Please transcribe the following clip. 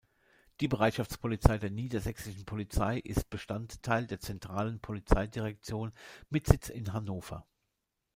Die Bereitschaftspolizei der niedersächsischen Polizei ist Bestandteil der Zentralen Polizeidirektion mit Sitz in Hannover.